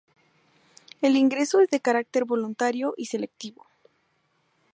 El ingreso es de carácter voluntario y selectivo.